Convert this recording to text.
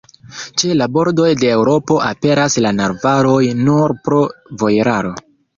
Ĉe la bordoj de Eŭropo aperas la narvaloj nur pro vojeraro.